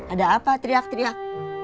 ada apa teriak teriak